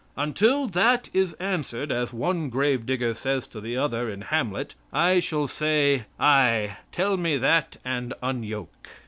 Until that is answered, as one grave digger says to the other in "Hamlet," I shall say: 'Ay, tell me that and unyoke.'